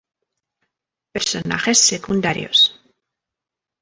Personajes secundarios.